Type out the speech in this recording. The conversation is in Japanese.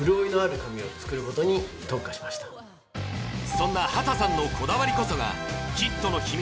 そんな波多さんのこだわりこそがヒットの秘密